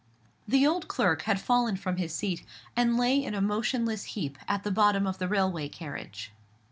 The old clerk had fallen from his seat, and lay in a motionless heap at the bottom of the railway carriage.